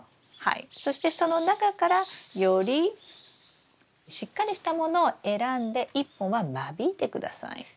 そしてその中からよりしっかりしたものを選んで１本は間引いて下さい。